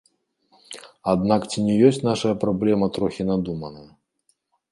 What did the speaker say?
Аднак ці не ёсць нашая праблема трохі надуманая?